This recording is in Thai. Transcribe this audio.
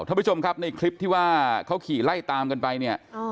ท่านผู้ชมครับในคลิปที่ว่าเขาขี่ไล่ตามกันไปเนี่ย